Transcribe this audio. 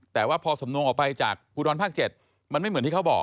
แต่ว่าพอสำนวนออกไปจากภูทรภาค๗มันไม่เหมือนที่เขาบอก